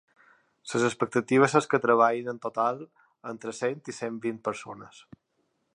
Les expectatives és que hi treballin en total entre cent i cent vint persones.